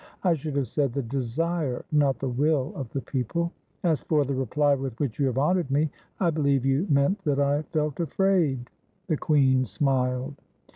I should have said the desire, not the will, of the people. As for the reply with 256 IN THE DAYS OF THE FRONDE which you have honored me, I beUeve you meant that I felt afraid." The queen smiled.